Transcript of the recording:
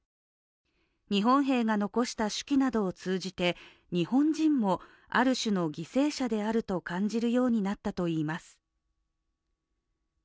日本兵が残した手記などを通じて日本人も、ある種の犠牲者であると感じるようになったといいます。